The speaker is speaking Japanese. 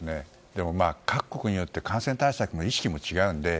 でも各国によって感染対策の意識も違うので。